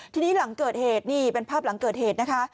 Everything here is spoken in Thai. ทีนี้หลังเกิดเหตุนี่เป็นภาพหลังเกิดเหตุนะคะ